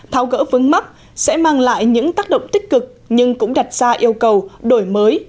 tháo gỡ vướng mắt sẽ mang lại những tác động tích cực nhưng cũng đặt ra yêu cầu đổi mới